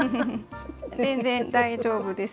全然大丈夫です。